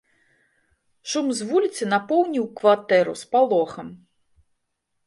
Шум з вуліцы напоўніў кватэру спалохам.